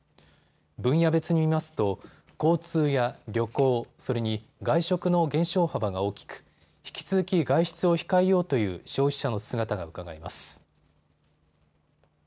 分野別に見ますと交通や旅行、それに外食の減少幅が大きく引き続き外出を控えようという消費者の姿がうかがえます。